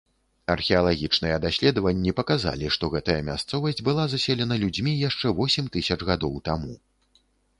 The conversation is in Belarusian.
Археалагічныя даследаванні паказалі, што гэтая мясцовасць была заселена людзьмі яшчэ восем тысяч гадоў таму.